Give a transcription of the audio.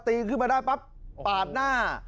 ขึ้นมาได้ปั๊บปาดหน้า